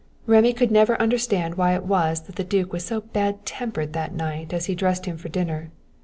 Rémy could never understand why it was that the duke was so bad tempered that night as he dressed him for dinner.